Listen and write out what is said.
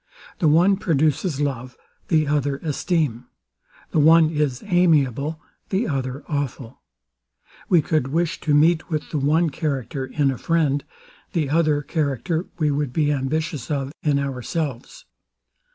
The one produces love; the other esteem: The one is amiable; the other awful: We could wish to meet with the one character in a friend; the other character we would be ambitious of in ourselves.